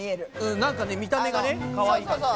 なんかね見た目がねかわいい感じね。